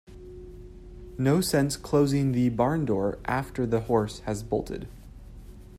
No sense closing the barn door after the horse has bolted.